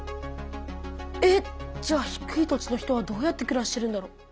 えっじゃあ低い土地の人はどうやってくらしてるんだろう？